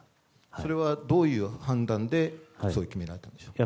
それはどういう判断で決められたんでしょうか。